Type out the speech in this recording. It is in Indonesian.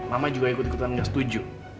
mama juga ikut ikutan nggak setuju